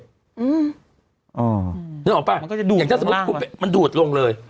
ตอนสิพอโดดวนไปดวนลงเลย